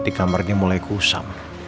di kamarnya mulai kusam